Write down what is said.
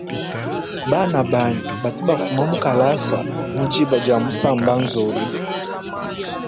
Bana banyi batu ba fuma mukalasa mudiba dia musamba nzolu.